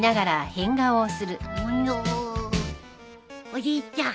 おじいちゃん。